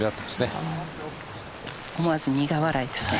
思わず苦笑いですね。